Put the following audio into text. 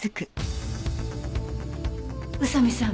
宇佐見さん